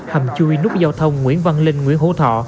hầm chui nút giao thông nguyễn văn linh nguyễn hữu thọ